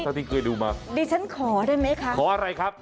ที่เคยดูมาดิฉันขอได้ไหมคะขออะไรครับ